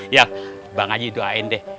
ya bang ajai doain deh